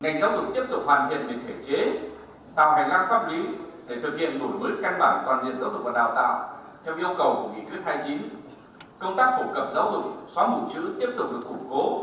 ngành giáo dục tiếp tục hoàn thiện được thể chế tạo hành lăng pháp lý để thực hiện đổi mới căn bản toàn diện giáo dục và đào tạo